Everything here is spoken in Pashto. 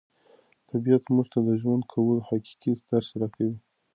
طبیعت موږ ته د ژوند کولو حقیقي درس راکوي.